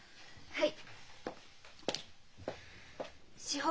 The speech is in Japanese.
はい。